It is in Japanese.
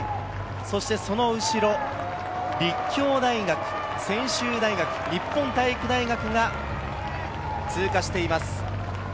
そしてその後ろ、立教大学、専修大学、日本体育大学が通過しています。